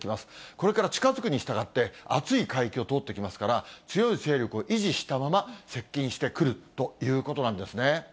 これから近づくにしたがって、あつい海域を通ってきますから、強い勢力を維持したまま接近してくるということなんですね。